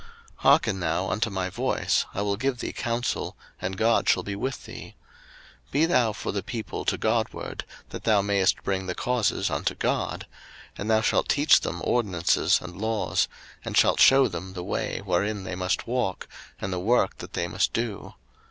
02:018:019 Hearken now unto my voice, I will give thee counsel, and God shall be with thee: Be thou for the people to God ward, that thou mayest bring the causes unto God: 02:018:020 And thou shalt teach them ordinances and laws, and shalt shew them the way wherein they must walk, and the work that they must do.